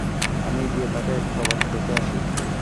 আমি গিয়ে তাকে এক পলক দেখে আসি।